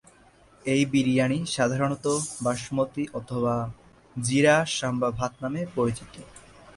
এই বিরিয়ানি সাধারণত বাসমতী অথবা জিরা সাম্বা ভাত নামে পরিচিত।